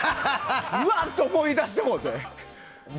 うわっ！と思い出してもうて。